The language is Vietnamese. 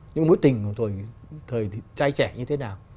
những mối tình của thời trai trẻ như thế nào